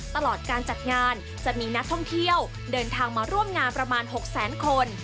ตลอดการจัดงานจะมีนักท่องเที่ยวเดินทางมาร่วมงานประมาณ๖แสนคน